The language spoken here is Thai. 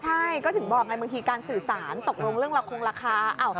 ใช่ก็ถึงบอกไงบางทีการสื่อสารตกลงเรื่องละคงราคา